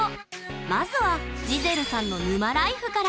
まずはジゼルさんの沼ライフから。